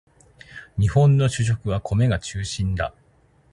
日本の主食は米が中心だ